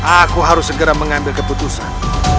aku harus segera mengambil keputusan